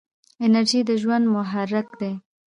انرژي د ژوند محرک دی.